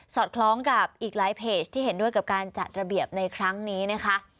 อดคล้องกับอีกหลายเพจที่เห็นด้วยกับการจัดระเบียบในครั้งนี้นะคะ